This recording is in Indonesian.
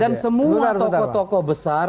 dan semua tokoh tokoh besar